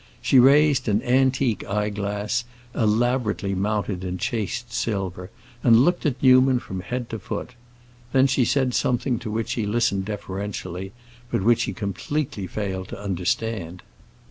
She raised an antique eyeglass, elaborately mounted in chased silver, and looked at Newman from head to foot. Then she said something to which he listened deferentially, but which he completely failed to understand.